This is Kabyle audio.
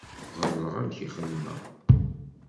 Ɣelḍeɣ amek i txedmeɣ.